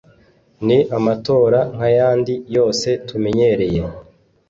ni amatora nk’ayandi yose tumenyereye